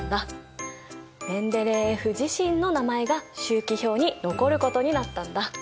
メンデレーエフ自身の名前が周期表に残ることになったんだ。